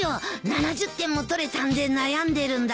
７０点も取れたんで悩んでるんだ。